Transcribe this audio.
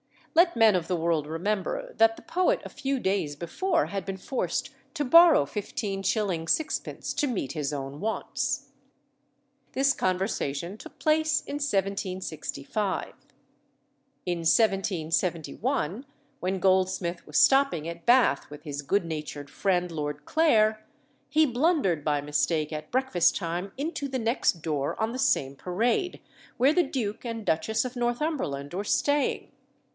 Let men of the world remember that the poet a few days before had been forced to borrow 15s. 6d. to meet his own wants. This conversation took place in 1765. In 1771, when Goldsmith was stopping at Bath with his good natured friend Lord Clare, he blundered by mistake at breakfast time into the next door on the same Parade, where the Duke and Duchess of Northumberland were staying.